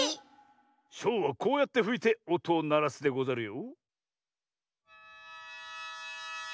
「しょう」はこうやってふいておとをならすでござるよ。